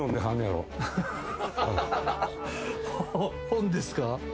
本ですか？